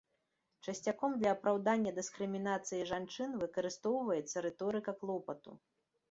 Часцяком для апраўдання дыскрымінацыі жанчын выкарыстоўваецца рыторыка клопату.